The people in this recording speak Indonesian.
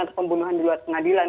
untuk pembunuhan di luar pengadilan